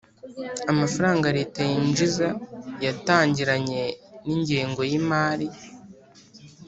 amafaranga leta yinjiza yatangiranye n'ingengo y'imari